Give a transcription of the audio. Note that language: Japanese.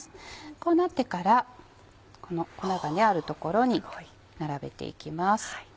こうなってから粉がある所に並べていきます。